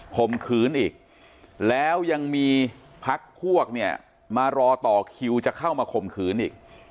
มขืนอีกแล้วยังมีพักพวกเนี่ยมารอต่อคิวจะเข้ามาข่มขืนอีก